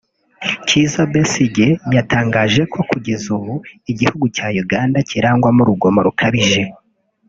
Kizza Besigye yatangaje ko kugeza ubu igihugu cya Uganda cyirangwamo urugomo rukabije